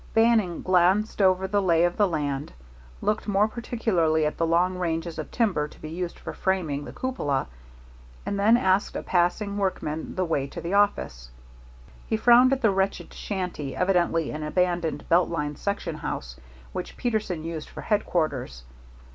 Bannon glanced over the lay of the land, looked more particularly at the long ranges of timber to be used for framing the cupola, and then asked a passing workman the way to the office. He frowned at the wretched shanty, evidently an abandoned Belt Line section house, which Peterson used for headquarters.